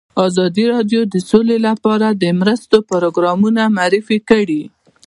ازادي راډیو د سوله لپاره د مرستو پروګرامونه معرفي کړي.